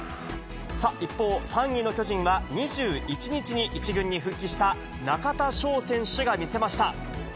一方、３位の巨人は２１日に１軍に復帰した中田翔選手が見せました。